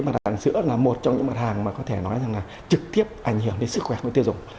mặt hàng sữa là một trong những mặt hàng mà có thể nói là trực tiếp ảnh hưởng đến sức khỏe của tiêu dùng